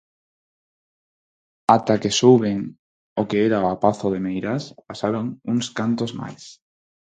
Ata que souben o que era o Pazo de Meirás pasaron uns cantos máis.